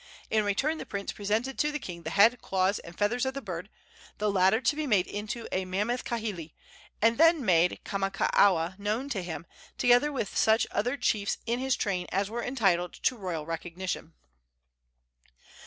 In return the prince presented to the king the head, claws and feathers of the bird, the latter to be made into a mammoth kahili, and then made Kamakaua known to him, together with such other chiefs in his train as were entitled to royal recognition.